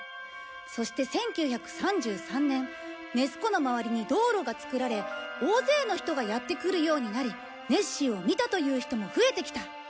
そして１９３３年ネス湖の周りに道路が造られ大勢の人がやって来るようになりネッシーを見たという人も増えてきた。